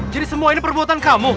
jadi semua ini perbuatan kamu